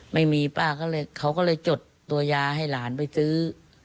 ไม่มีป้าก็เลยเขาก็เลยจดตัวยาให้หลานไปซื้อ